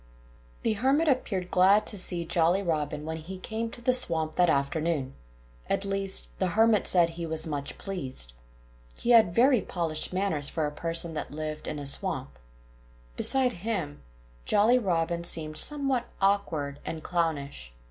The Hermit appeared glad to see Jolly Robin when he came to the swamp that afternoon. At least, the Hermit said he was much pleased. He had very polished manners for a person that lived in a swamp. Beside him, Jolly Robin seemed somewhat awkward and clownish.